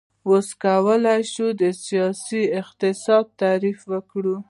اوس کولی شو د سیاسي اقتصاد تعریف وکړو.